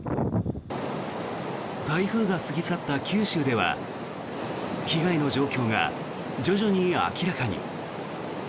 台風が過ぎ去った九州では被害の状況が徐々に明らかに。